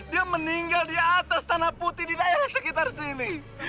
dia meninggal di atas tanah putih di daerah sekitar sini